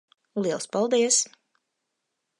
Liels paldies.